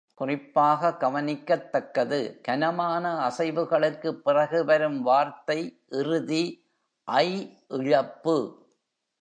குறிப்பாக கவனிக்கத்தக்கது, கனமான அசைகளுக்குப் பிறகு வரும் வார்த்தை-இறுதி "-ஐ" இழப்பு.